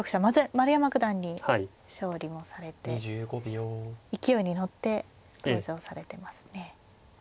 丸山九段に勝利もされて勢いに乗って登場されてますね。